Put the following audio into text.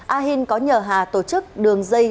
ahin có nhờ hà tổ chức đường dây